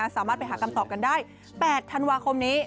สามารถไปหาคำตอบกันได้๘ธันวาคมนี้